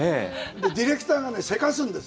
ディレクターがせかすんです。